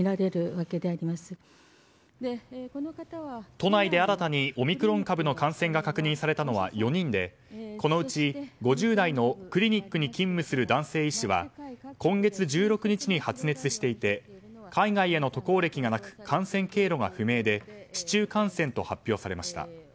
都内で新たにオミクロン株の感染が確認されたのは４人でこのうち５０代のクリニックに勤務する男性医師は今月１６日に発熱していて海外への渡航歴がなく感染経路が不明で市中感染と発表されました。